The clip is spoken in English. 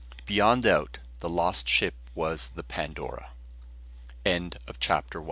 Beyond doubt the lost ship was the Pandora. CHAPTER TWO.